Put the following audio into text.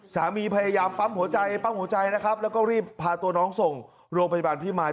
พยายามปั๊มหัวใจปั๊มหัวใจนะครับแล้วก็รีบพาตัวน้องส่งโรงพยาบาลพี่มาย